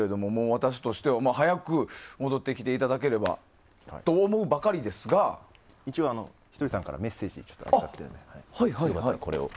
私としては早く戻ってきていただければと思うばかりですが一応、ひとりさんからメッセージをいただいています。